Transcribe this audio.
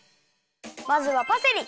まずはパセリ。